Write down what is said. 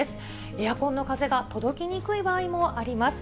エアコンの風が届きにくい場合もあります。